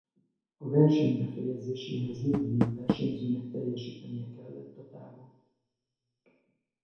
A verseny befejezéséhez mind a négy versenyzőnek teljesítenie kellett a távot.